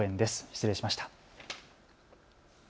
失礼しました。